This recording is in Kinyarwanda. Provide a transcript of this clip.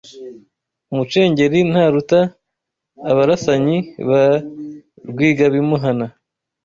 Umucengeli ntaruta Abarasanyi Ba Rwigabimuhana